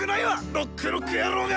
ノックノック野郎が！